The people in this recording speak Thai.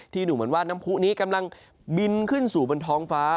ดูเหมือนว่าน้ำผู้นี้กำลังบินขึ้นสู่บนท้องฟ้า